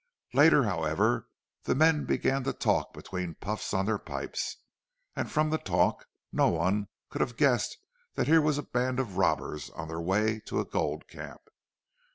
Later, however, the men began to talk between puffs on their pipes, and from the talk no one could have guessed that here was a band of robbers on their way to a gold camp.